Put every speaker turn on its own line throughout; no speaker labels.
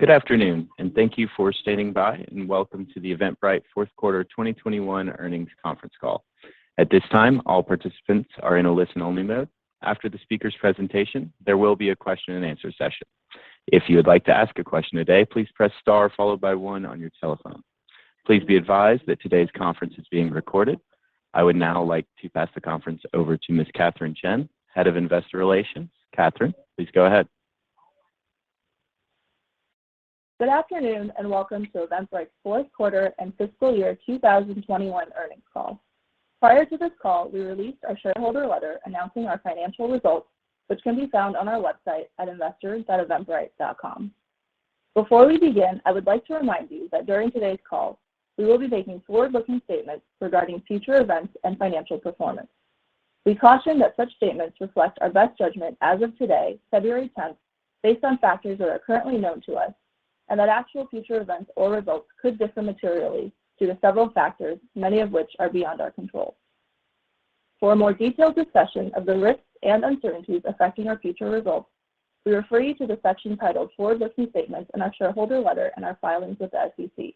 Good afternoon, and thank you for standing by, and welcome to the Eventbrite fourth quarter 2021 earnings conference call. At this time, all participants are in a listen-only mode. After the speaker's presentation, there will be a question-and-answer session. If you would like to ask a question today, please press star followed by one on your telephone. Please be advised that today's conference is being recorded. I would now like to pass the conference over to Ms. Katherine Chen, Head of Investor Relations. Katherine, please go ahead.
Good afternoon, and welcome to Eventbrite's fourth quarter and fiscal year 2021 earnings call. Prior to this call, we released our shareholder letter announcing our financial results, which can be found on our website at investors.eventbrite.com. Before we begin, I would like to remind you that during today's call we will be making forward-looking statements regarding future events and financial performance. We caution that such statements reflect our best judgment as of today, February 10, based on factors that are currently known to us, and that actual future events or results could differ materially due to several factors, many of which are beyond our control. For a more detailed discussion of the risks and uncertainties affecting our future results, we refer you to the section titled Forward-Looking Statements in our shareholder letter and our filings with the SEC.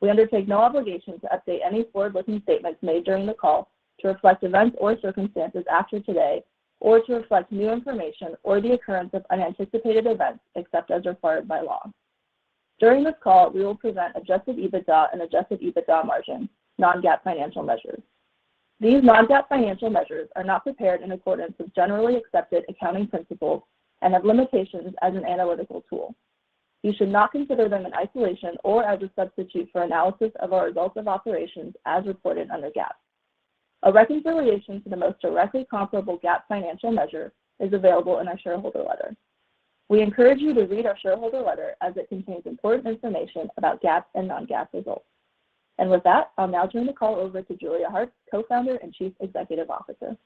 We undertake no obligation to update any forward-looking statements made during the call to reflect events or circumstances after today or to reflect new information or the occurrence of unanticipated events, except as required by law. During this call, we will present adjusted EBITDA and adjusted EBITDA margin non-GAAP financial measures. These non-GAAP financial measures are not prepared in accordance with generally accepted accounting principles and have limitations as an analytical tool. You should not consider them in isolation or as a substitute for analysis of our results of operations as reported under GAAP. A reconciliation to the most directly comparable GAAP financial measure is available in our shareholder letter. We encourage you to read our shareholder letter as it contains important information about GAAP and non-GAAP results. With that, I'll now turn the call over to Julia Hartz, Co-founder and Chief Executive Officer.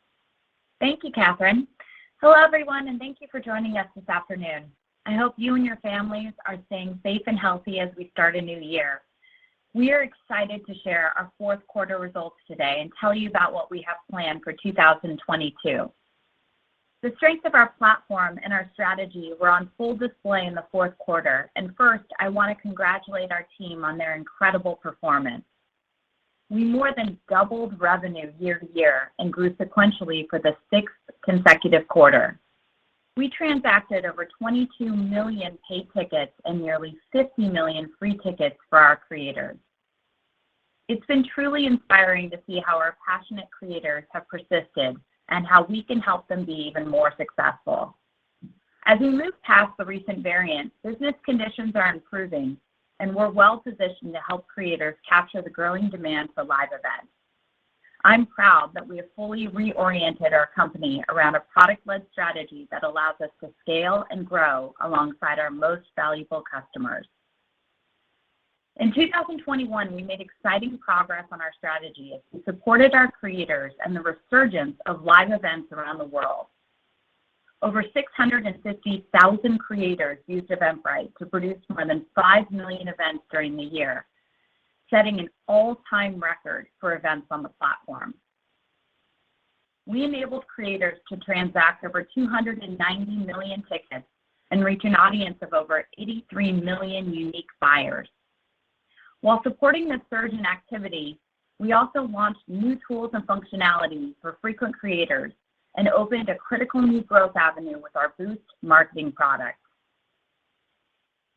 Thank you, Katherine. Hello, everyone, and thank you for joining us this afternoon. I hope you and your families are staying safe and healthy as we start a new year. We are excited to share our fourth quarter results today and tell you about what we have planned for 2022. The strength of our platform and our strategy were on full display in the fourth quarter, and first, I want to congratulate our team on their incredible performance. We more than doubled revenue year-over-year and grew sequentially for the sixth consecutive quarter. We transacted over 22 million paid tickets and nearly 50 million free tickets for our creators. It's been truly inspiring to see how our passionate creators have persisted and how we can help them be even more successful. As we move past the recent variants, business conditions are improving and we're well positioned to help creators capture the growing demand for live events. I'm proud that we have fully reoriented our company around a product-led strategy that allows us to scale and grow alongside our most valuable customers. In 2021, we made exciting progress on our strategy as we supported our creators and the resurgence of live events around the world. Over 650,000 creators used Eventbrite to produce more than 5 million events during the year, setting an all-time record for events on the platform. We enabled creators to transact over 290 million tickets and reach an audience of over 83 million unique buyers. While supporting the surge in activity, we also launched new tools and functionality for frequent creators and opened a critical new growth avenue with our Boost marketing product.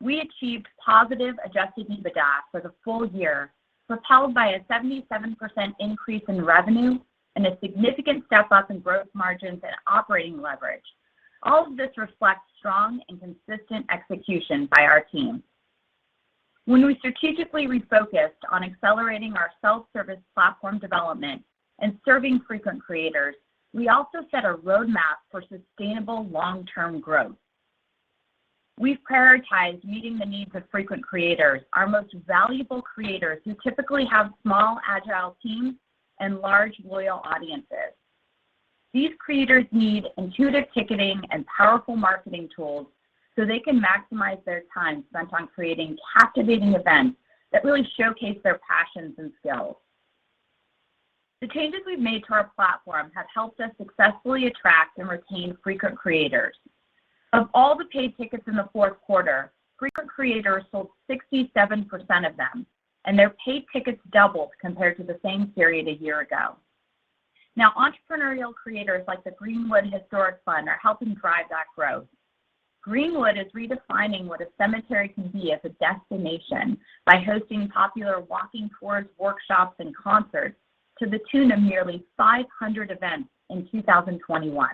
We achieved positive adjusted EBITDA for the full year, propelled by a 77% increase in revenue and a significant step up in growth margins and operating leverage. All of this reflects strong and consistent execution by our team. When we strategically refocused on accelerating our self-service platform development and serving frequent creators, we also set a roadmap for sustainable long-term growth. We've prioritized meeting the needs of frequent creators, our most valuable creators who typically have small, agile teams and large, loyal audiences. These creators need intuitive ticketing and powerful marketing tools so they can maximize their time spent on creating captivating events that really showcase their passions and skills. The changes we've made to our platform have helped us successfully attract and retain frequent creators. Of all the paid tickets in the fourth quarter, frequent creators sold 67% of them, and their paid tickets doubled compared to the same period a year ago. Now, entrepreneurial creators like the Green-Wood Historic Fund are helping drive that growah. Green-Wood is redefining what a cemetery can be as a destination by hosting popular walking tours, workshops, and concerts to the tune of nearly 500 events in 2021.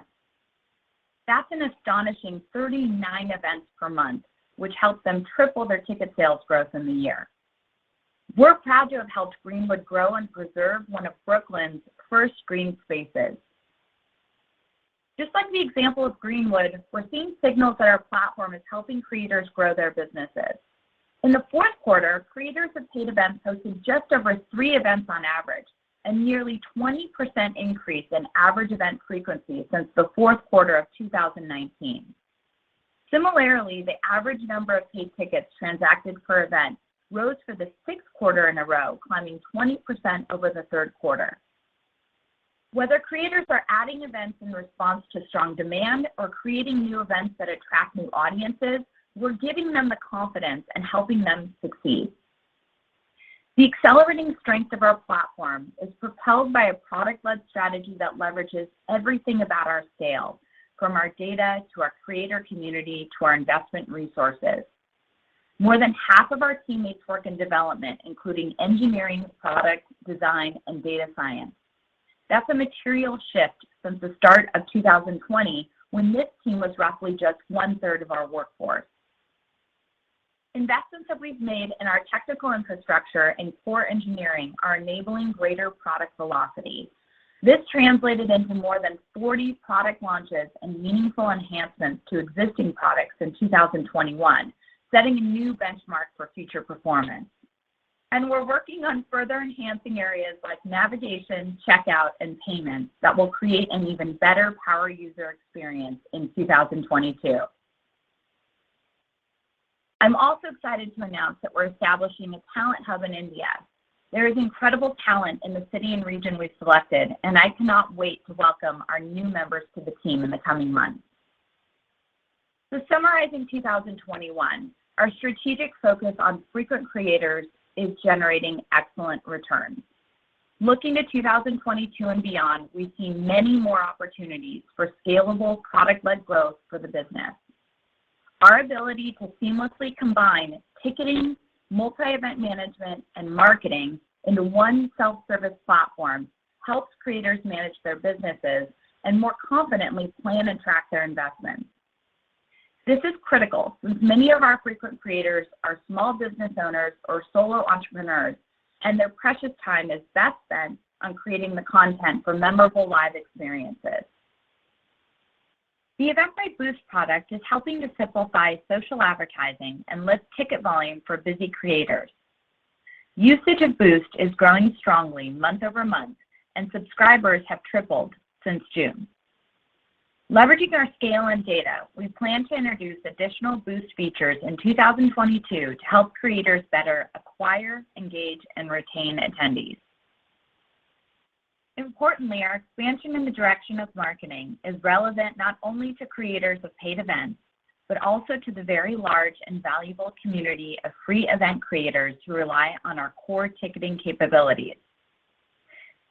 That's an astonishing 39 events per month, which helped them triple their ticket sales growth in the year. We're proud to have helped Green-Wood grow and preserve one of Brooklyn's first green spaces. Just like the example of Green-Wood, we're seeing signals that our platform is helping creators grow their businesses. In the fourth quarter, creators of paid events hosted just over 3 events on average, a nearly 20% increase in average event frequency since the fourth quarter of 2019. Similarly, the average number of paid tickets transacted per event rose for the sixth quarter in a row, climbing 20% over the third quarter. Whether creators are adding events in response to strong demand or creating new events that attract new audiences, we're giving them the confidence and helping them succeed. The accelerating strength of our platform is propelled by a product-led strategy that leverages everything about our scale, from our data, to our creator community, to our investment resources. More than half of our teammates work in development, including engineering, product design, and data science. That's a material shift since the start of 2020 when this team was roughly just one-third of our workforce. Investments that we've made in our technical infrastructure and core engineering are enabling greater product velocity. This translated into more than 40 product launches and meaningful enhancements to existing products in 2021, setting a new benchmark for future performance. We're working on further enhancing areas like navigation, checkout, and payment that will create an even better power user experience in 2022. I'm also excited to announce that we're establishing a talent hub in India. There is incredible talent in the city and region we've selected, and I cannot wait to welcome our new members to the team in the coming months. To summarize in 2021, our strategic focus on frequent creators is generating excellent returns. Looking to 2022 and beyond, we see many more opportunities for scalable product-led growth for the business. Our ability to seamlessly combine ticketing, multi-event management, and marketing into one self-service platform helps creators manage their businesses and more confidently plan and track their investments. This is critical since many of our frequent creators are small business owners or solo entrepreneurs, and their precious time is best spent on creating the content for memorable live experiences. The Eventbrite Boost product is helping to simplify social advertising and lift ticket volume for busy creators. Usage of Boost is growing strongly month-over-month, and subscribers have tripled since June. Leveraging our scale and data, we plan to introduce additional Boost features in 2022 to help creators better acquire, engage, and retain attendees. Importantly, our expansion in the direction of marketing is relevant not only to creators of paid events but also to the very large and valuable community of free event creators who rely on our core ticketing capabilities.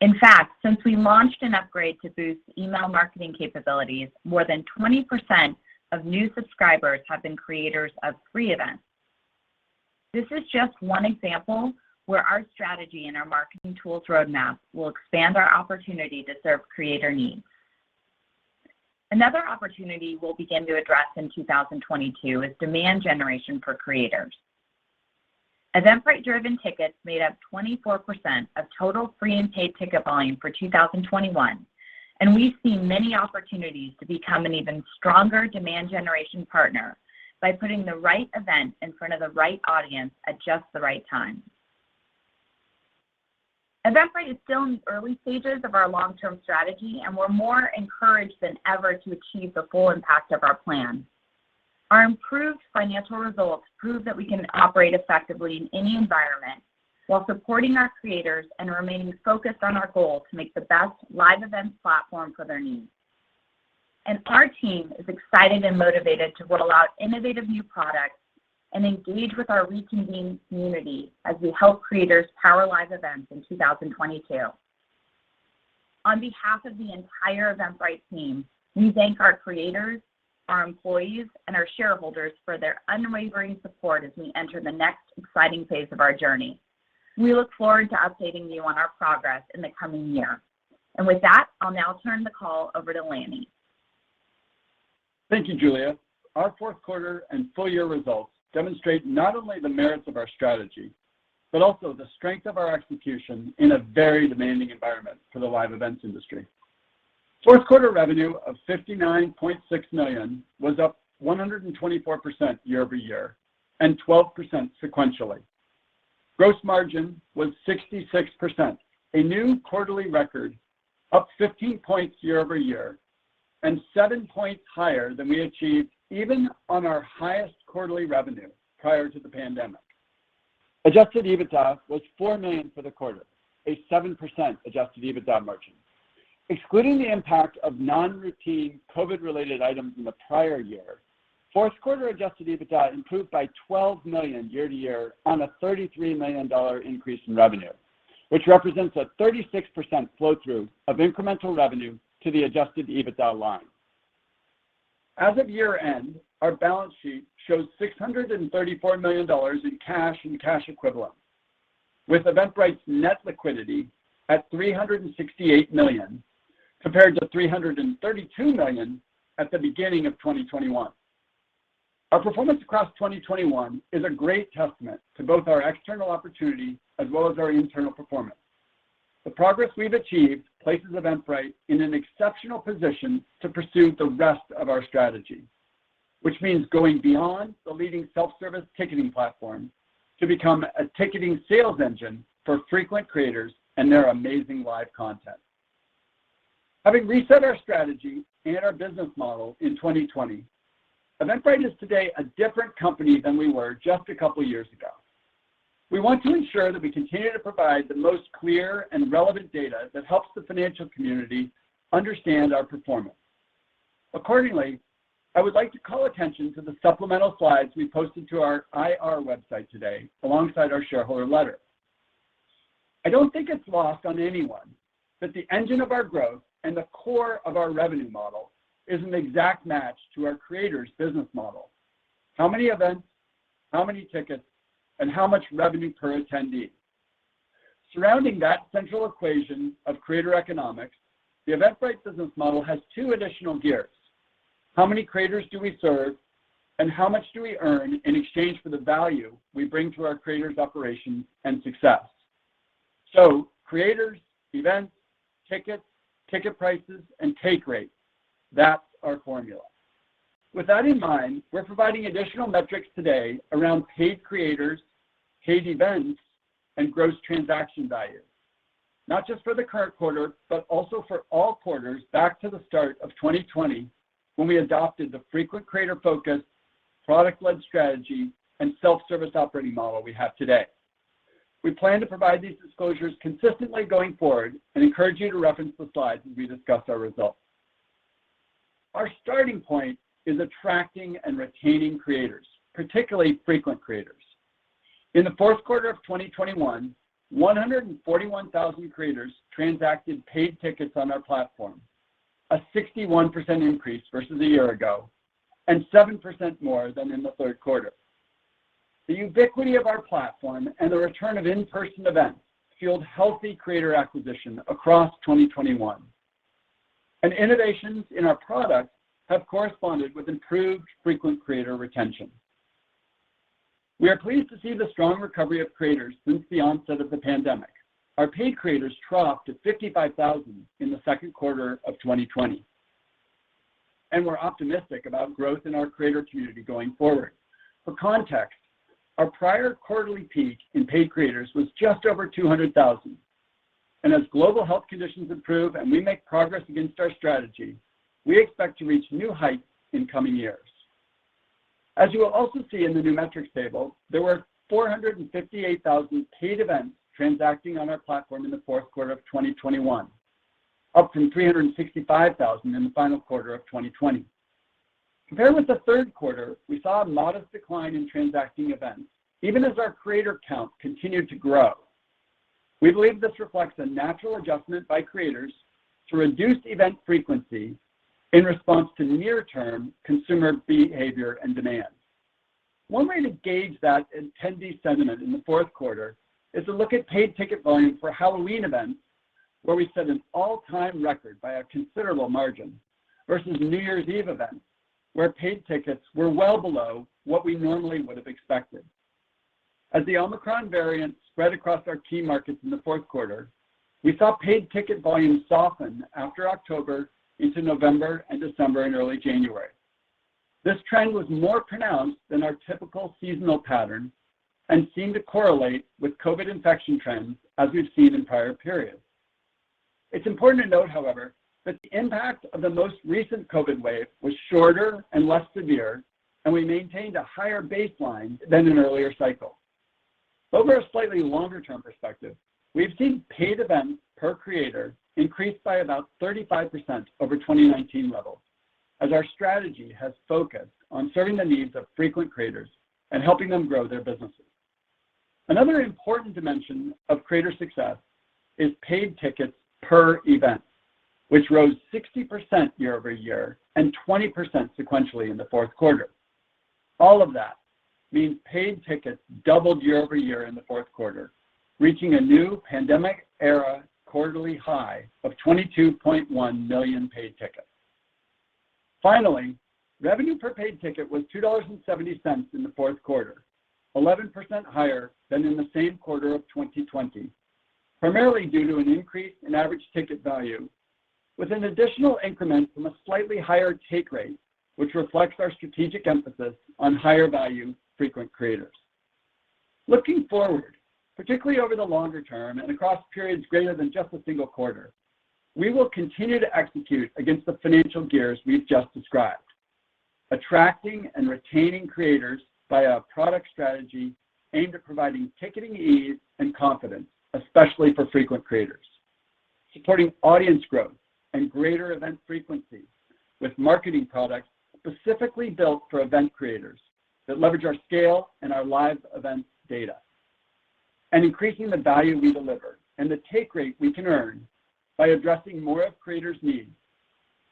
In fact, since we launched an upgrade to Boost's email marketing capabilities, more than 20% of new subscribers have been creators of free events. This is just one example where our strategy and our marketing tools roadmap will expand our opportunity to serve creator needs. Another opportunity we'll begin to address in 2022 is demand generation for creators. Eventbrite-driven tickets made up 24% of total free and paid ticket volume for 2021, and we see many opportunities to become an even stronger demand generation partner by putting the right event in front of the right audience at just the right time. Eventbrite is still in the early stages of our long-term strategy, and we're more encouraged than ever to achieve the full impact of our plan. Our improved financial results prove that we can operate effectively in any environment while supporting our creators and remaining focused on our goal to make the best live events platform for their needs. Our team is excited and motivated to roll out innovative new products and engage with our reconvening community as we help creators power live events in 2022. On behalf of the entire Eventbrite team, we thank our creators, our employees, and our shareholders for their unwavering support as we enter the next exciting phase of our journey. We look forward to updating you on our progress in the coming year. With that, I'll now turn the call over to Lanny.
Thank you, Julia. Our fourth quarter and full year results demonstrate not only the merits of our strategy, but also the strength of our execution in a very demanding environment for the live events industry. Fourth quarter revenue of $59.6 million was up 124% year-over-year and 12% sequentially. Gross margin was 66%, a new quarterly record, up 15 points year-over-year, and 7 points higher than we achieved even on our highest quarterly revenue prior to the pandemic. Adjusted EBITDA was $4 million for the quarter, a 7% adjusted EBITDA margin. Excluding the impact of non-routine COVID-related items in the prior year, fourth quarter adjusted EBITDA improved by $12 million year-over-year on a $33 million increase in revenue, which represents a 36% flow-through of incremental revenue to the adjusted EBITDA line. As of year-end, our balance sheet shows $634 million in cash and cash equivalent, with Eventbrite's net liquidity at $368 million, compared to $332 million at the beginning of 2021. Our performance across 2021 is a great testament to both our external opportunity as well as our internal performance. The progress we've achieved places Eventbrite in an exceptional position to pursue the rest of our strategy, which means going beyond the leading self-service ticketing platform to become a ticketing sales engine for frequent creators and their amazing live content. Having reset our strategy and our business model in 2020, Eventbrite is today a different company than we were just a couple of years ago. We want to ensure that we continue to provide the most clear and relevant data that helps the financial community understand our performance. Accordingly, I would like to call attention to the supplemental slides we posted to our IR website today alongside our shareholder letter. I don't think it's lost on anyone that the engine of our growth and the core of our revenue model is an exact match to our creators' business model. How many events, how many tickets, and how much revenue per attendee? Surrounding that central equation of creator economics, the Eventbrite business model has two additional gears. How many creators do we serve, and how much do we earn in exchange for the value we bring to our creators' operations and success? Creators, events, tickets, ticket prices, and take rate. That's our formula. With that in mind, we're providing additional metrics today around paid creators, paid events, and gross transaction value, not just for the current quarter, but also for all quarters back to the start of 2020 when we adopted the frequent creator focus, product led strategy, and self-service operating model we have today. We plan to provide these disclosures consistently going forward and encourage you to reference the slides as we discuss our results. Our starting point is attracting and retaining creators, particularly frequent creators. In the fourth quarter of 2021, 141,000 creators transacted paid tickets on our platform, a 61% increase versus a year ago, and 7% more than in the third quarter. The ubiquity of our platform and the return of in-person events fueled healthy creator acquisition across 2021. Innovations in our products have corresponded with improved frequent creator retention. We are pleased to see the strong recovery of creators since the onset of the pandemic. Our paid creators dropped to 55,000 in the second quarter of 2020, and we're optimistic about growth in our creator community going forward. For context, our prior quarterly peak in paid creators was just over 200,000. As global health conditions improve and we make progress against our strategy, we expect to reach new heights in coming years. As you will also see in the new metrics table, there were 458,000 paid events transacting on our platform in the fourth quarter of 2021, up from 365,000 in the final quarter of 2020. Compared with the third quarter, we saw a modest decline in transacting events even as our creator count continued to grow. We believe this reflects a natural adjustment by creators to reduce event frequency in response to near-term consumer behavior and demand. One way to gauge that attendee sentiment in the fourth quarter is to look at paid ticket volume for Halloween events, where we set an all-time record by a considerable margin versus New Year's Eve events, where paid tickets were well below what we normally would have expected. As the Omicron variant spread across our key markets in the fourth quarter, we saw paid ticket volumes soften after October into November and December and early January. This trend was more pronounced than our typical seasonal pattern and seemed to correlate with COVID infection trends as we've seen in prior periods. It's important to note, however, that the impact of the most recent COVID wave was shorter and less severe, and we maintained a higher baseline than in earlier cycles. Over a slightly longer term perspective, we've seen paid events per creator increased by about 35% over 2019 levels, as our strategy has focused on serving the needs of frequent creators and helping them grow their businesses. Another important dimension of creator success is paid tickets per event, which rose 60% year over year and 20% sequentially in the fourth quarter. All of that means paid tickets doubled year over year in the fourth quarter, reaching a new pandemic era quarterly high of 22.1 million paid tickets. Finally, revenue per paid ticket was $2.70 in the fourth quarter, 11% higher than in the same quarter of 2020, primarily due to an increase in average ticket value with an additional increment from a slightly higher take rate, which reflects our strategic emphasis on higher value frequent creators. Looking forward, particularly over the longer term and across periods greater than just a single quarter, we will continue to execute against the financial gears we've just described. Attracting and retaining creators via a product strategy aimed at providing ticketing ease and confidence, especially for frequent creators. Supporting audience growth and greater event frequency with marketing products specifically built for event creators that leverage our scale and our live event data. Increasing the value we deliver and the take rate we can earn by addressing more of creators' needs.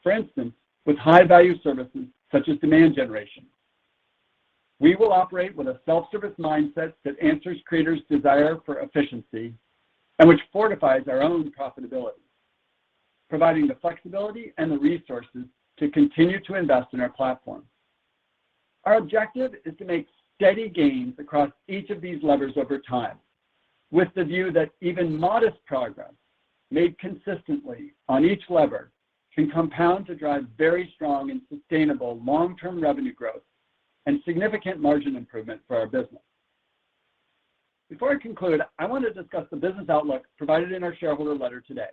For instance, with high-value services such as demand generation. We will operate with a self-service mindset that answers creators' desire for efficiency and which fortifies our own profitability, providing the flexibility and the resources to continue to invest in our platform. Our objective is to make steady gains across each of these levers over time with the view that even modest progress made consistently on each lever can compound to drive very strong and sustainable long-term revenue growth and significant margin improvement for our business. Before I conclude, I want to discuss the business outlook provided in our shareholder letter today.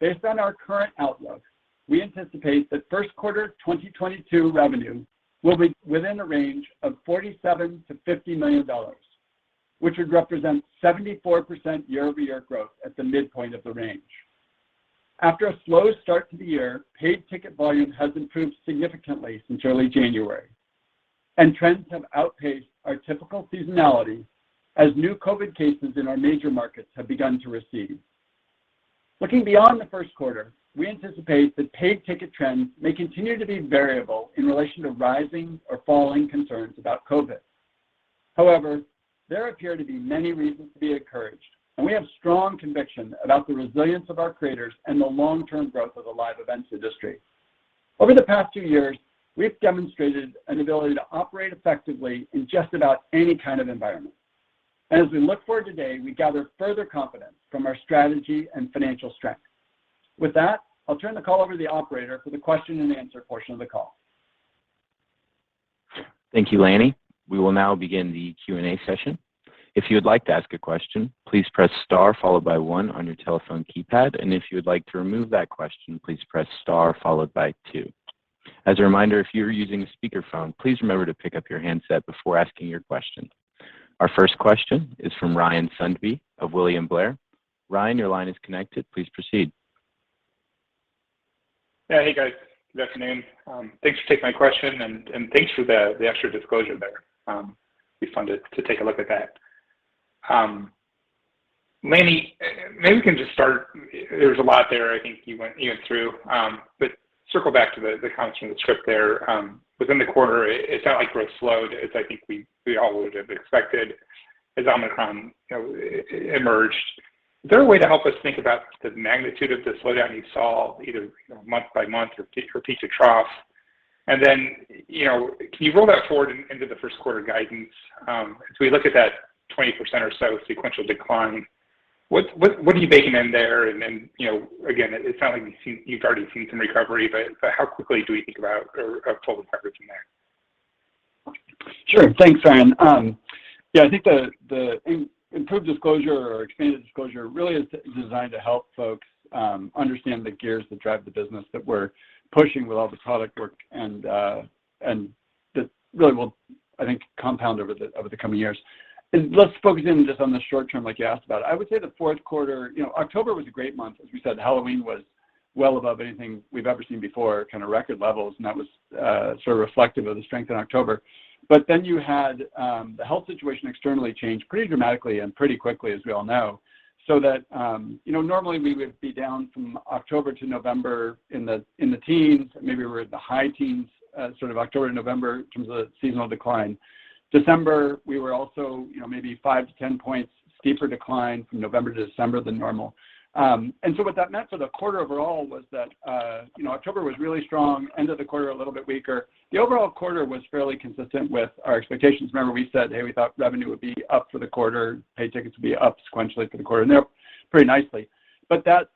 Based on our current outlook, we anticipate that first quarter 2022 revenue will be within a range of $47 million-$50 million, which would represent 74% year-over-year growth at the midpoint of the range. After a slow start to the year, paid ticket volume has improved significantly since early January, and trends have outpaced our typical seasonality as new COVID cases in our major markets have begun to recede. Looking beyond the first quarter, we anticipate that paid ticket trends may continue to be variable in relation to rising or falling concerns about COVID. However, there appear to be many reasons to be encouraged, and we have strong conviction about the resilience of our creators and the long-term growth of the live events industry. Over the past two years, we have demonstrated an ability to operate effectively in just about any kind of environment. As we look forward today, we gather further confidence from our strategy and financial strength. With that, I'll turn the call over to the operator for the question-and-answer portion of the call.
Thank you, Lanny. We will now begin the Q&A session. If you would like to ask a question, please press star followed by one on your telephone keypad. If you would like to remove that question, please press star followed by two. As a reminder, if you are using a speakerphone, please remember to pick up your handset before asking your question. Our first question is from Ryan Sundby of William Blair. Ryan, your line is connected. Please proceed.
Yeah. Hey, guys. Good afternoon. Thanks for taking my question and thanks for the extra disclosure there. It'd be fun to take a look at that. Lanny, maybe we can just start. There was a lot there I think you went through, but circle back to the comments from the script there. Within the quarter, it's not like growth slowed as I think we all would have expected as Omicron, you know, emerged. Is there a way to help us think about the magnitude of the slowdown you saw either, you know, month by month or peak to trough? And then, you know, can you roll that forward into the first quarter guidance? As we look at that 20% or so sequential decline, what are you baking in there? You know, again, it's not like you've already seen some recovery, but how quickly do we think about or total recovery from there?
Sure. Thanks, Ryan. Yeah, I think the improved disclosure or expanded disclosure really is designed to help folks understand the gears that drive the business that we're pushing with all the product work and that really will, I think, compound over the coming years. Let's focus in just on the short term, like you asked about. I would say the fourth quarter. October was a great month. As we said, Halloween was well above anything we've ever seen before, kind of record levels, and that was sort of reflective of the strength in October. Then you had the health situation externally change pretty dramatically and pretty quickly, as we all know, so that. You know, normally we would be down from October to November in the teens, maybe we're at the high teens, sort of October to November in terms of the seasonal decline. December, we were also, you know, maybe 5-10 points steeper decline from November to December than normal. What that meant for the quarter overall was that, you know, October was really strong, end of the quarter a little bit weaker. The overall quarter was fairly consistent with our expectations. Remember, we said, hey, we thought revenue would be up for the quarter, paid tickets would be up sequentially for the quarter, and they're up pretty nicely. That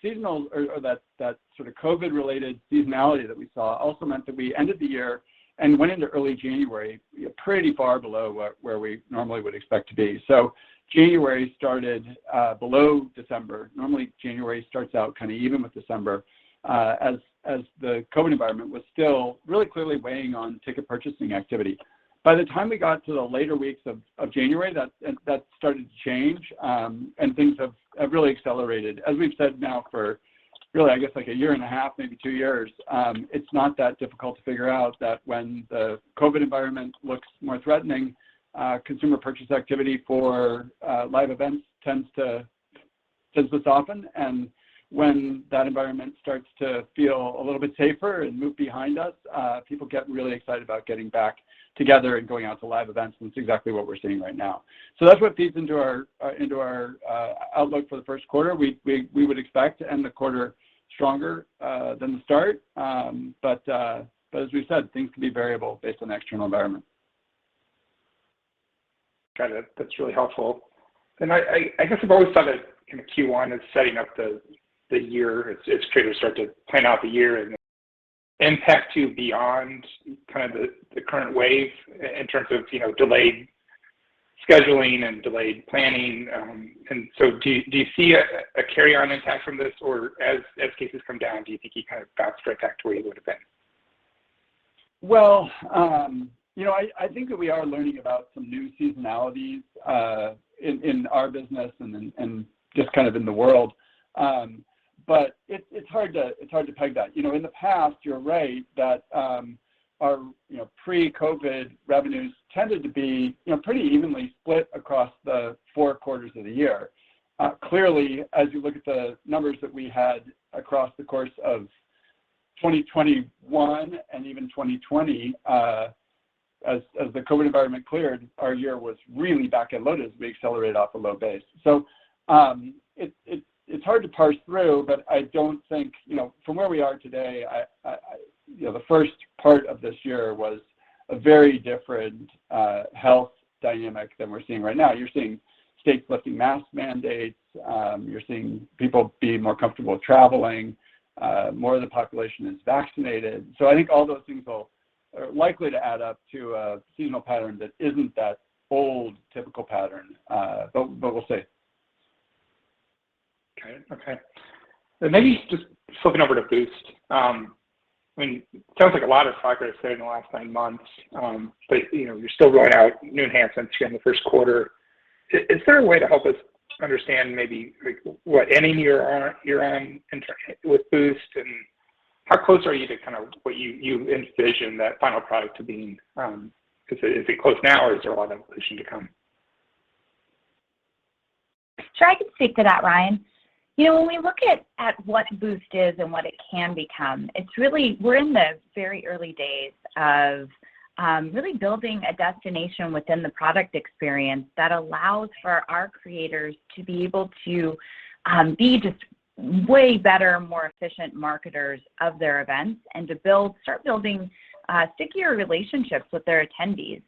seasonal or that sort of COVID-related seasonality that we saw also meant that we ended the year and went into early January, you know, pretty far below where we normally would expect to be. January started below December. Normally, January starts out kind of even with December, as the COVID environment was still really clearly weighing on ticket purchasing activity. By the time we got to the later weeks of January, that started to change, and things have really accelerated. As we've said now for really, I guess, like a year and a half, maybe two years, it's not that difficult to figure out that when the COVID environment looks more threatening, consumer purchase activity for live events tends to soften. When that environment starts to feel a little bit safer and move behind us, people get really excited about getting back together and going out to live events, and that's exactly what we're seeing right now. That's what feeds into our outlook for the first quarter. We would expect to end the quarter stronger than the start. As we've said, things can be variable based on external environment.
Got it. That's really helpful. I guess I've always thought that kind of Q1 is setting up the year. It's traders start to plan out the year and impact to beyond kind of the current wave in terms of, you know, delayed scheduling and delayed planning. Do you see a carry-on impact from this? Or as cases come down, do you think you kind of bounce back to where you would have been?
Well, you know, I think that we are learning about some new seasonalities in our business and just kind of in the world. It's hard to peg that. You know, in the past, you're right that our pre-COVID revenues tended to be pretty evenly split across the 4 quarters of the year. Clearly, as you look at the numbers that we had across the course of 2021 and even 2020, as the COVID environment cleared, our year was really back-end loaded as we accelerated off a low base. It's hard to parse through, but I don't think. You know, from where we are today, I You know, the first part of this year was a very different health dynamic than we're seeing right now. You're seeing states lifting mask mandates, you're seeing people be more comfortable traveling, more of the population is vaccinated. I think all those things will, are likely to add up to a seasonal pattern that isn't the old, typical pattern, but we'll see.
Okay. Maybe just flipping over to Boost. I mean, sounds like a lot has progressed there in the last nine months, but you know, you're still rolling out new enhancements here in the first quarter. Is there a way to help us understand maybe like what iteration you're on with Boost and how close are you to kind of what you envision that final product to being, 'cause is it close now or is there a lot of evolution to come?
Sure. I can speak to that, Ryan. You know, when we look at what Boost is and what it can become, it's really we're in the very early days of really building a destination within the product experience that allows for our creators to be able to be just way better, more efficient marketers of their events and to build, start building stickier relationships with their attendees.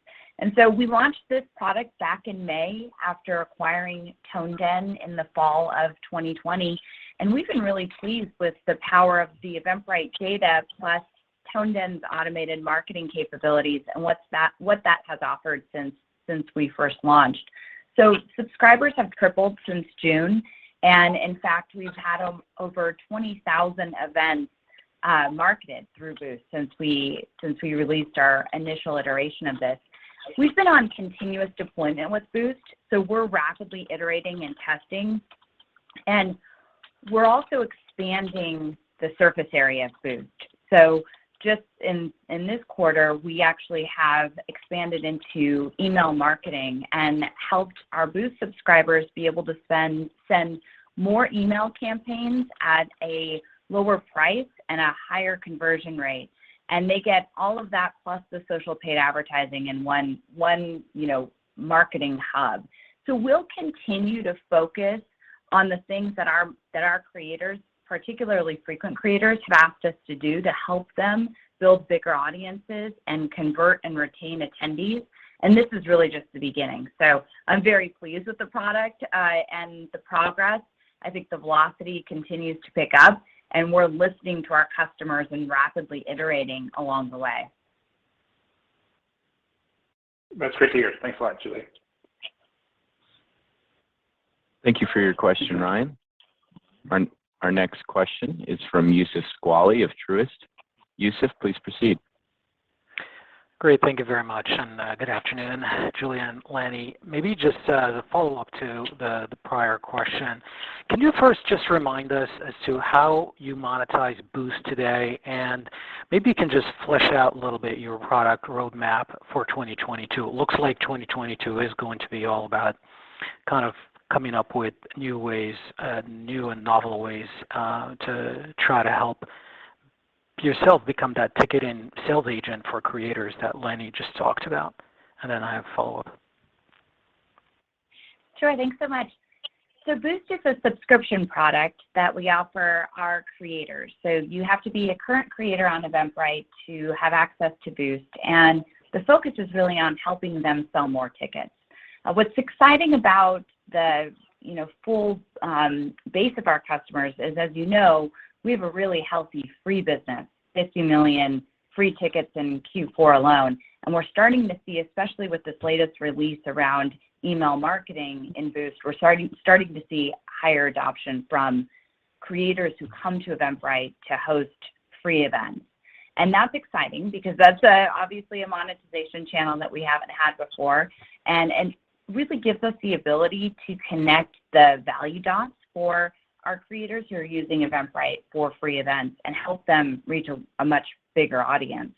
We launched this product back in May after acquiring ToneDen in the fall of 2020, and we've been really pleased with the power of the Eventbrite data plus ToneDen's automated marketing capabilities and what that has offered since we first launched. Subscribers have tripled since June, and in fact, we've had over 20,000 events marketed through Boost since we released our initial iteration of this. We've been on continuous deployment with Boost, so we're rapidly iterating and testing, and we're also expanding the surface area of Boost. Just in this quarter, we actually have expanded into email marketing and helped our Boost subscribers be able to send more email campaigns at a lower price and a higher conversion rate, and they get all of that plus the social paid advertising in one, you know, marketing hub. We'll continue to focus on the things that our creators, particularly frequent creators, have asked us to do to help them build bigger audiences and convert and retain attendees, and this is really just the beginning. I'm very pleased with the product and the progress. I think the velocity continues to pick up, and we're listening to our customers and rapidly iterating along the way.
That's great to hear. Thanks a lot, Julia.
Thank you for your question, Ryan. Our next question is from Youssef Squali of Truist. Youssef, please proceed.
Great. Thank you very much, and good afternoon, Julia and Lanny. Maybe just as a follow-up to the prior question, can you first just remind us as to how you monetize Boost today? Maybe you can just flesh out a little bit your product roadmap for 2022. It looks like 2022 is going to be all about kind of coming up with new ways, new and novel ways, to try to help yourself become that ticket and sales agent for creators that Lanny just talked about, and then I have follow-up.
Sure. Thanks so much. Boost is a subscription product that we offer our creators. You have to be a current creator on Eventbrite to have access to Boost, and the focus is really on helping them sell more tickets. What's exciting about the, you know, full base of our customers is, as you know, we have a really healthy free business, 50 million free tickets in Q4 alone. We're starting to see, especially with this latest release around email marketing in Boost, we're starting to see higher adoption from creators who come to Eventbrite to host free events. That's exciting because that's obviously a monetization channel that we haven't had before and really gives us the ability to connect the value dots for our creators who are using Eventbrite for free events and help them reach a much bigger audience.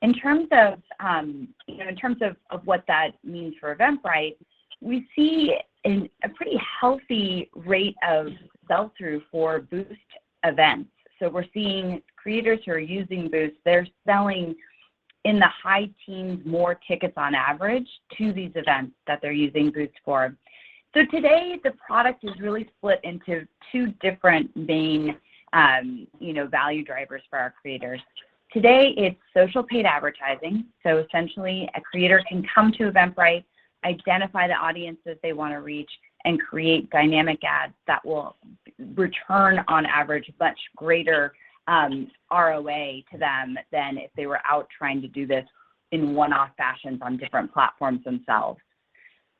In terms of what that means for Eventbrite, we see a pretty healthy rate of sell-through for Boost events. We're seeing creators who are using Boost. They're selling in the high teens more tickets on average to these events that they're using Boost for. Today, the product is really split into two different main value drivers for our creators. Today, it's social paid advertising. Essentially, a creator can come to Eventbrite, identify the audience that they want to reach, and create dynamic ads that will return on average much greater ROAS to them than if they were out trying to do this in one-off fashions on different platforms themselves.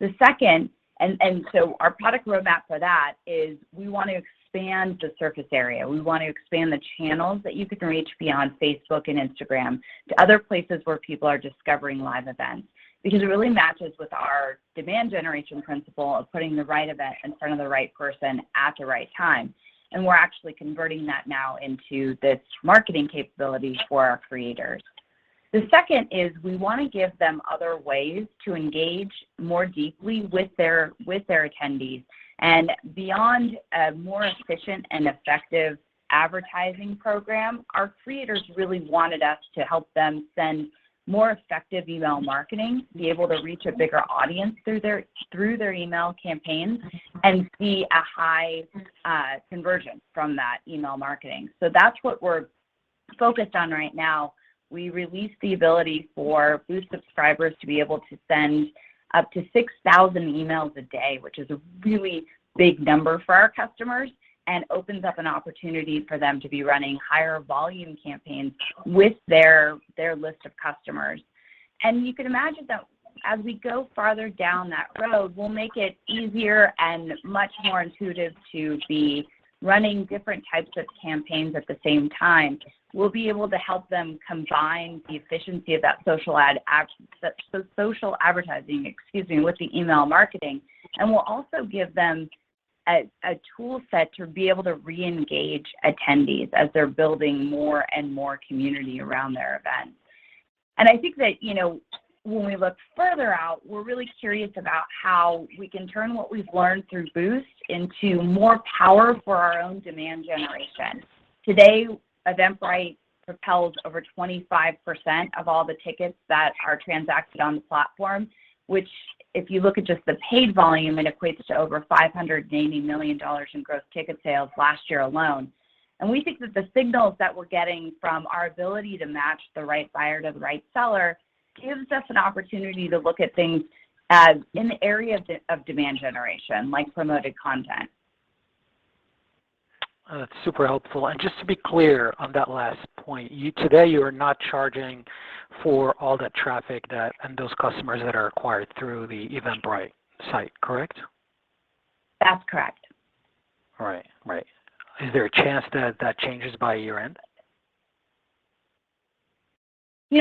The second, and so our product roadmap for that is we want to expand the surface area. We want to expand the channels that you can reach beyond Facebook and Instagram to other places where people are discovering live events because it really matches with our demand generation principle of putting the right event in front of the right person at the right time, and we're actually converting that now into this marketing capability for our creators. The second is we want to give them other ways to engage more deeply with their attendees. Beyond a more efficient and effective advertising program, our creators really wanted us to help them send more effective email marketing, be able to reach a bigger audience through their email campaigns and see a high conversion from that email marketing. That's what we're focused on right now. We released the ability for Boost subscribers to be able to send up to 6,000 emails a day, which is a really big number for our customers and opens up an opportunity for them to be running higher volume campaigns with their list of customers. You can imagine that as we go farther down that road, we'll make it easier and much more intuitive to be running different types of campaigns at the same time. We'll be able to help them combine the efficiency of that social advertising, excuse me, with the email marketing, and we'll also give them a tool set to be able to re-engage attendees as they're building more and more community around their events. I think that, you know, when we look further out, we're really curious about how we can turn what we've learned through Boost into more power for our own demand generation. Today, Eventbrite propels over 25% of all the tickets that are transacted on the platform, which if you look at just the paid volume, it equates to over $580 million in gross ticket sales last year alone. We think that the signals that we're getting from our ability to match the right buyer to the right seller gives us an opportunity to look at things in the area of demand generation, like promoted content.
That's super helpful. Just to be clear on that last point, today you are not charging for all that traffic that, and those customers that are acquired through the Eventbrite site, correct?
That's correct.
Right. Is there a chance that changes by year-end?
You know,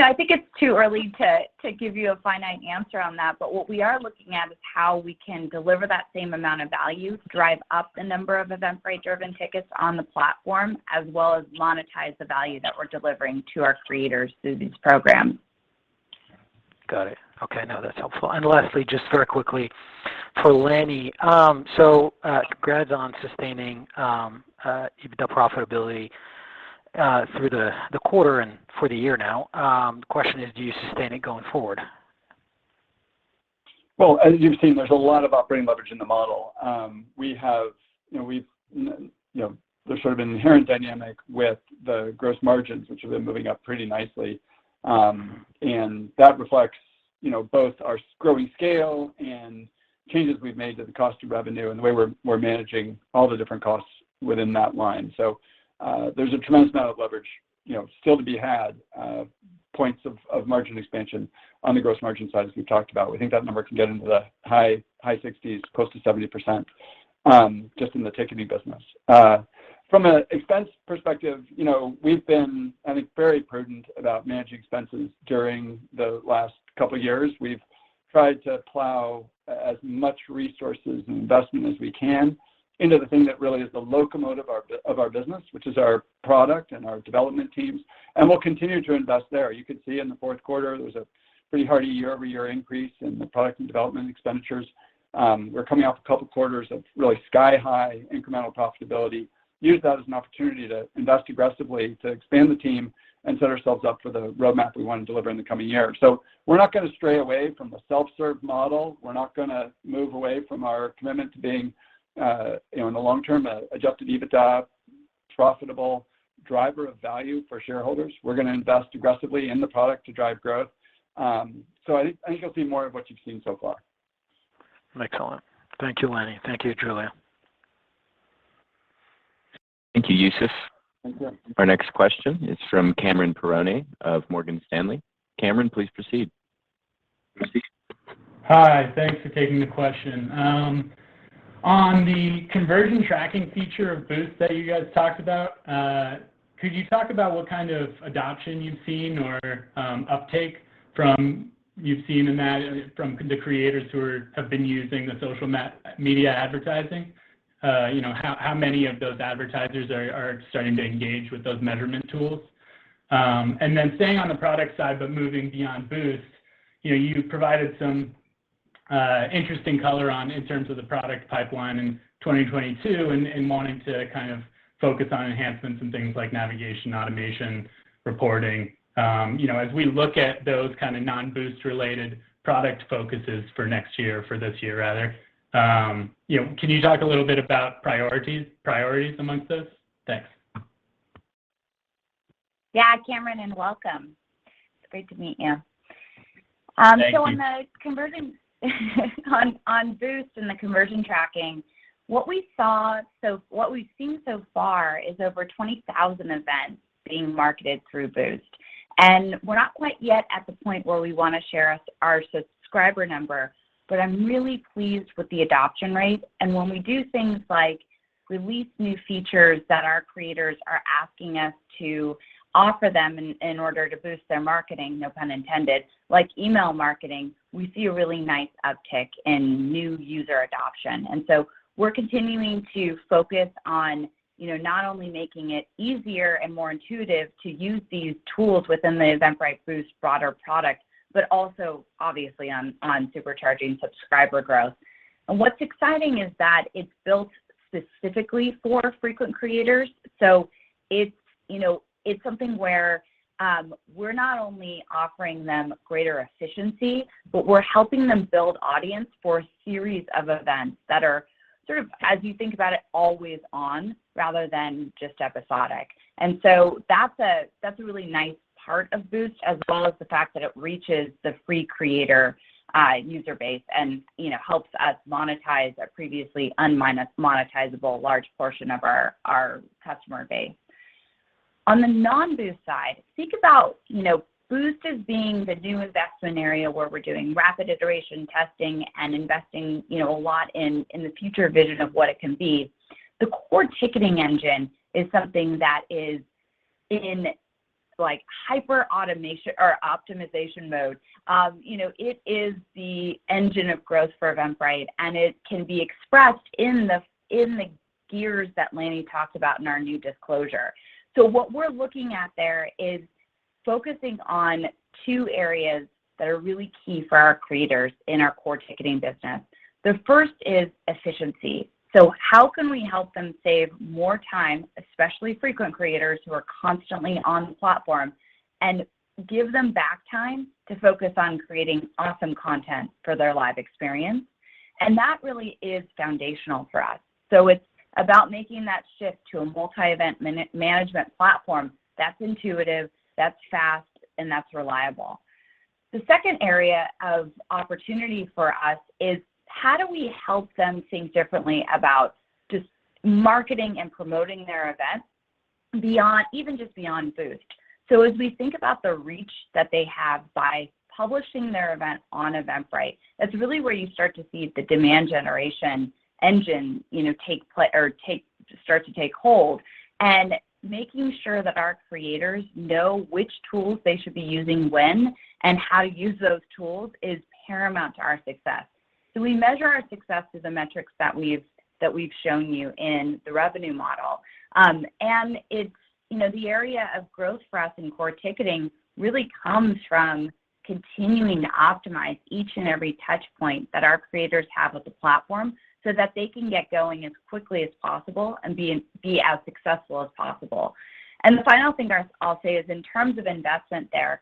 I think it's too early to give you a finite answer on that, but what we are looking at is how we can deliver that same amount of value, drive up the number of Eventbrite-driven tickets on the platform, as well as monetize the value that we're delivering to our creators through these programs.
Got it. Okay. No, that's helpful. Lastly, just very quickly for Lanny. Congrats on sustaining EBITDA profitability through the quarter and for the year now. The question is, do you sustain it going forward?
Well, as you've seen, there's a lot of operating leverage in the model. You know, there's sort of an inherent dynamic with the gross margins, which have been moving up pretty nicely. That reflects, you know, both our growing scale and changes we've made to the cost of revenue and the way we're managing all the different costs within that line. There's a tremendous amount of leverage, you know, still to be had, points of margin expansion on the gross margin side, as we've talked about. We think that number can get into the high 60s, close to 70%, just in the ticketing business. From an expense perspective, you know, we've been, I think, very prudent about managing expenses during the last couple years. We've tried to plow as much resources and investment as we can into the thing that really is the locomotive of our business, which is our product and our development teams, and we'll continue to invest there. You can see in the fourth quarter, there was a pretty hearty year-over-year increase in the product and development expenditures. We're coming off a couple quarters of really sky-high incremental profitability. Use that as an opportunity to invest aggressively, to expand the team and set ourselves up for the roadmap that we want to deliver in the coming year. We're not gonna stray away from the self-serve model. We're not gonna move away from our commitment to being, you know, in the long term, an adjusted EBITDA profitable driver of value for shareholders. We're gonna invest aggressively in the product to drive growth. I think you'll see more of what you've seen so far.
Excellent. Thank you, Lanny. Thank you, Julia.
Thank you, Youssef.
Thank you.
Our next question is from Cameron Mansson-Perrone of Morgan Stanley. Cameron, please proceed.
Hi. Thanks for taking the question. On the conversion tracking feature of Boost that you guys talked about, could you talk about what kind of adoption you've seen or uptake you've seen in that from the creators who have been using the social media advertising? You know, how many of those advertisers are starting to engage with those measurement tools? And then staying on the product side, but moving beyond Boost, you know, you provided some interesting color on, in terms of the product pipeline in 2022 and wanting to kind of focus on enhancements and things like navigation, automation, reporting. You know, as we look at those kind of non-Boost related product focuses for next year, for this year rather, you know, can you talk a little bit about priorities amongst those? Thanks.
Yeah, Cameron, and welcome. It's great to meet you.
Thank you.
On the conversion on Boost and the conversion tracking, what we've seen so far is over 20,000 events being marketed through Boost. We're not quite yet at the point where we wanna share our subscriber number, but I'm really pleased with the adoption rate. When we do things like release new features that our creators are asking us to offer them in order to boost their marketing, no pun intended, like email marketing, we see a really nice uptick in new user adoption. We're continuing to focus on, you know, not only making it easier and more intuitive to use these tools within the Eventbrite Boost broader product, but also obviously on supercharging subscriber growth. What's exciting is that it's built specifically for frequent creators. It's, you know, it's something where we're not only offering them greater efficiency, but we're helping them build audience for a series of events that are sort of, as you think about it, always on rather than just episodic. That's a really nice part of Boost, as well as the fact that it reaches the free creator user base and, you know, helps us monetize a previously un-monetizable large portion of our customer base. On the non-Boost side, think about, you know, Boost as being the new investment area where we're doing rapid iteration testing and investing, you know, a lot in the future vision of what it can be. The core ticketing engine is something that is in like optimization mode. You know, it is the engine of growth for Eventbrite, and it can be expressed in the gears that Lanny talked about in our new disclosure. What we're looking at there is focusing on two areas that are really key for our creators in our core ticketing business. The first is efficiency. How can we help them save more time, especially frequent creators who are constantly on the platform, and give them back time to focus on creating awesome content for their live experience? That really is foundational for us. It's about making that shift to a multi-event management platform that's intuitive, that's fast, and that's reliable. The second area of opportunity for us is how do we help them think differently about just marketing and promoting their events beyond, even just beyond Boost? As we think about the reach that they have by publishing their event on Eventbrite, that's really where you start to see the demand generation engine, you know, start to take hold, and making sure that our creators know which tools they should be using when and how to use those tools is paramount to our success. We measure our success through the metrics that we've shown you in the revenue model. It's, you know, the area of growth for us in core ticketing really comes from continuing to optimize each and every touch point that our creators have with the platform so that they can get going as quickly as possible and be as successful as possible. The final thing I'll say is in terms of investment there,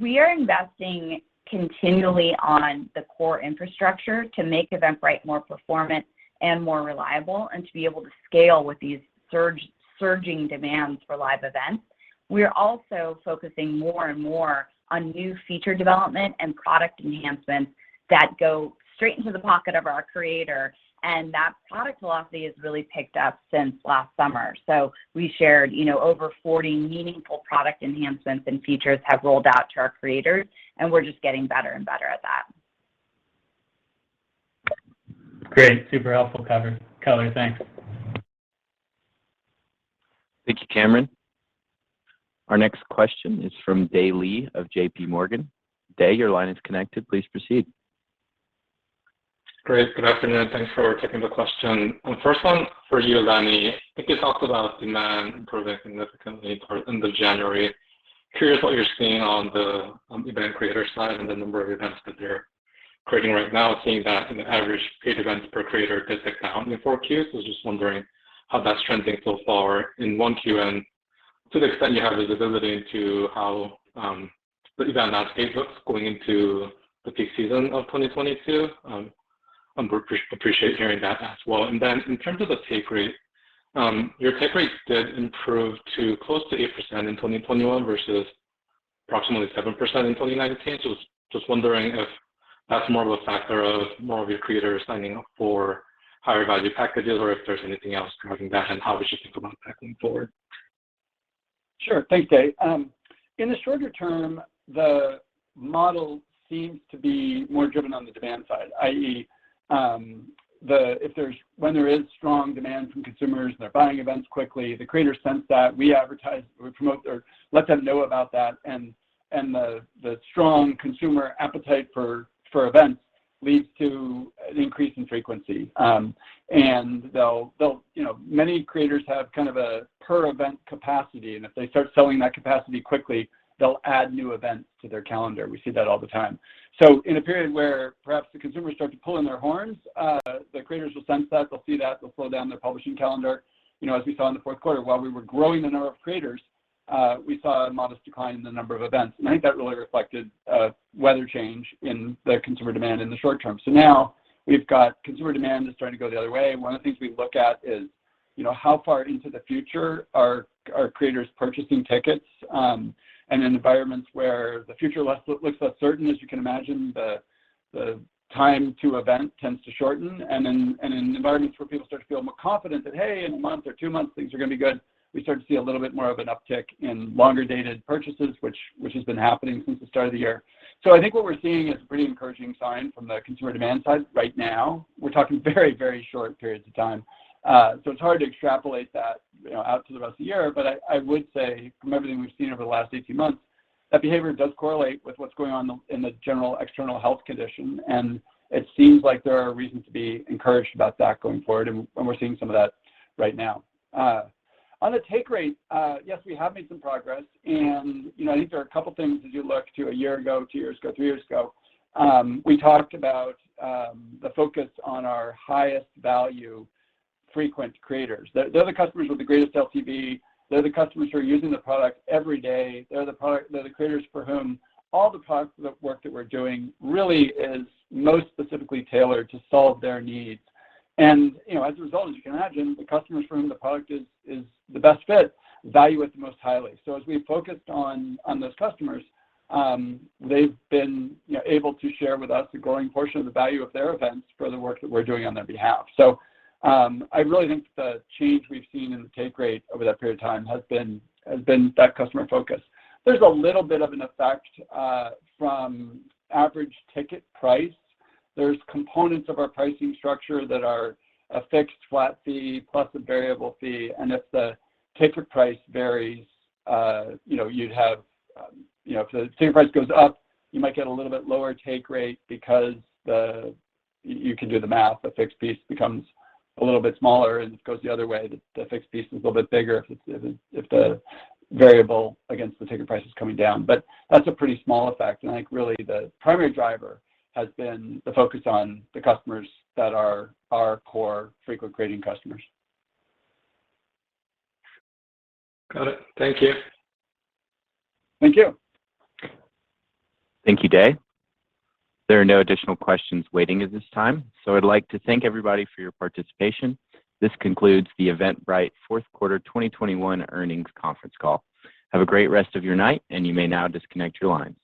we are investing continually on the core infrastructure to make Eventbrite more performant and more reliable and to be able to scale with these surging demands for live events. We are also focusing more and more on new feature development and product enhancements that go straight into the pocket of our creator, and that product philosophy has really picked up since last summer. We shared, you know, over 40 meaningful product enhancements and features have rolled out to our creators, and we're just getting better and better at that.
Great. Super helpful color. Thanks.
Thank you, Cameron. Our next question is from Dae Lee of JPMorgan. Dae, your line is connected. Please proceed.
Great. Good afternoon. Thanks for taking the question. First one for you, Lanny. I think you talked about demand improving significantly towards end of January. Curious what you're seeing on the event creator side and the number of events that they're creating right now, seeing that an average paid event per creator does decline in 4Qs. Just wondering how that's trending so far in 1Q. To the extent you have visibility into how the event landscape looks going into the peak season of 2022, appreciate hearing that as well. In terms of the take rate, your take rate did improve to close to 8% in 2021 versus approximately 7% in 2019. Just wondering if that's more of a factor of more of your creators signing up for higher value packages or if there's anything else driving that and how we should think about that going forward.
Sure. Thanks, Dae. In the shorter term, the model seems to be more driven on the demand side, i.e., if there is strong demand from consumers and they're buying events quickly, the creators sense that, we advertise, we promote or let them know about that, and the strong consumer appetite for events leads to an increase in frequency. And they'll, you know, many creators have kind of a per event capacity, and if they start selling that capacity quickly, they'll add new events to their calendar. We see that all the time. In a period where perhaps the consumers start to pull in their horns, the creators will sense that. They'll see that. They'll slow down their publishing calendar. You know, as we saw in the fourth quarter, while we were growing the number of creators, we saw a modest decline in the number of events. I think that really reflected a weather change in the consumer demand in the short term. Now we've got consumer demand is starting to go the other way, and one of the things we look at is, you know, how far into the future are creators purchasing tickets, and in environments where the future looks less certain, as you can imagine, the time to event tends to shorten. In environments where people start to feel more confident that, hey, in a month or two months, things are gonna be good, we start to see a little bit more of an uptick in longer dated purchases, which has been happening since the start of the year. I think what we're seeing is a pretty encouraging sign from the consumer demand side right now. We're talking very, very short periods of time. It's hard to extrapolate that, you know, out to the rest of the year. I would say from everything we've seen over the last 18 months, that behavior does correlate with what's going on in the general external health condition, and it seems like there are reasons to be encouraged about that going forward. We're seeing some of that right now. On the take rate, yes, we have made some progress, and you know, these are a couple things as you look to a year ago, two years ago, three years ago, we talked about the focus on our highest value frequent creators. They're the customers with the greatest LTV. They're the customers who are using the product every day. They're the creators for whom all the product work that we're doing really is most specifically tailored to solve their needs. You know, as a result, as you can imagine, the customers for whom the product is the best fit value it most highly. As we focused on those customers, they've been, you know, able to share with us a growing portion of the value of their events for the work that we're doing on their behalf. I really think the change we've seen in the take rate over that period of time has been that customer focus. There's a little bit of an effect from average ticket price. There's components of our pricing structure that are a fixed flat fee plus a variable fee, and if the ticket price varies, you know, if the ticket price goes up, you might get a little bit lower take rate. You can do the math. The fixed piece becomes a little bit smaller, and if it goes the other way, the fixed piece is a little bit bigger if the variable against the ticket price is coming down. That's a pretty small effect, and I think really the primary driver has been the focus on the customers that are our core frequent creating customers.
Got it. Thank you.
Thank you.
Thank you, Dae. There are no additional questions waiting at this time, so I'd like to thank everybody for your participation. This concludes the Eventbrite fourth quarter 2021 earnings conference call. Have a great rest of your night, and you may now disconnect your lines.